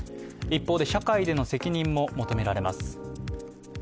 一方で、社会での責任も求められます。